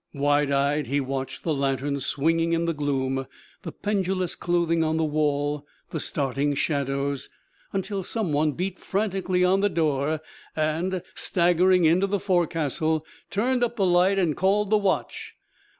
Wide eyed, he watched the lantern swinging in the gloom, the pendulous clothing on the wall, the starting shadows, until some one beat frantically on the door, and, staggering into the forecastle, turned up the light and called the watch.